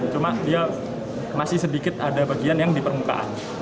cuma dia masih sedikit ada bagian yang di permukaan